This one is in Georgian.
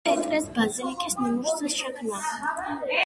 პეტრეს ბაზილიკის ნიმუშზე შექმნა.